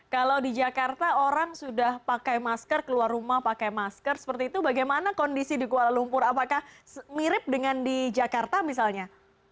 kalau di jakarta orang sudah pakai masker keluar rumah pakai masker seperti itu bagaimana kondisi di kuala lumpur apakah mirip dengan di jakarta misalnya